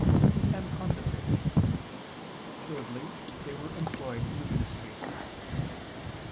8:7 9] and consecrated; thirdly, they were employed in the ministry.